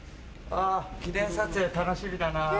あ記念撮影楽しみだな。